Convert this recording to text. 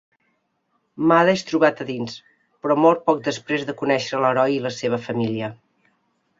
Mada és trobat a dins, però mor poc després de conèixer l'Heroi i la seva família.